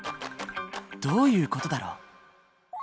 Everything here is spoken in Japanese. どういう事だろう？